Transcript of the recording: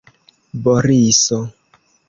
Boriso!